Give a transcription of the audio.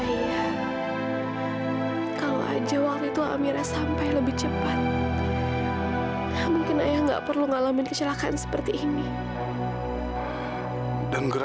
ijin saya buat ngomong sama dia sebentar